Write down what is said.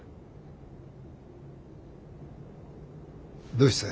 どうしたい？